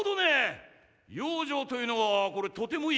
養生というのはこれとてもいい考え方だな。